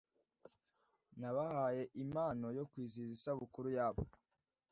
Nabahaye impano yo kwizihiza isabukuru yabo.